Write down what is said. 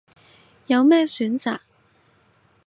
有咩選擇